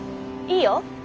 いいよ